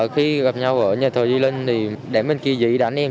khi gặp nhau ở nhà thời đi lên thì đánh bên kia giấy đánh em